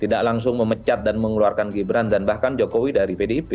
tidak langsung memecat dan mengeluarkan gibran dan bahkan jokowi dari pdip